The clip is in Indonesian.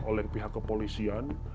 oleh pihak kepolisian